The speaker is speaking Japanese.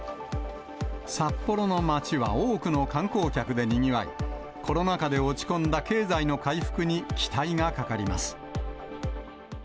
札幌の街は多くの観光客でにぎわい、コロナ禍で落ち込んだ経済の回復に期待がかかります。